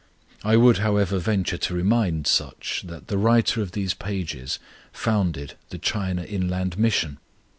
I would, however, venture to remind such that the writer of these pages founded the China Inland Mission!